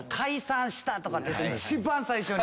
一番最初に。